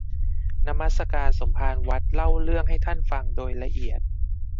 นมัสการสมภารวัดเล่าเรื่องให้ท่านฟังโดยละเอียด